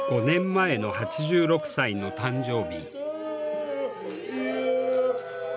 ８６！５年前の８６歳の誕生日。